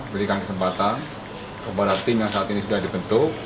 berikan kesempatan kepada tim yang saat ini sudah dibentuk